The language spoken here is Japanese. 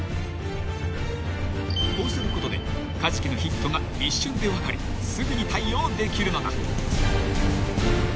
［こうすることでカジキのヒットが一瞬で分かりすぐに対応できるのだ］